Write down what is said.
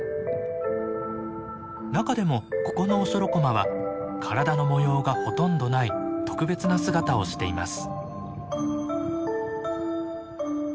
中でもここのオショロコマは体の模様がほとんどない特別な姿をしています。